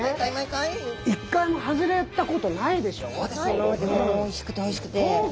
今までもおいしくておいしくて。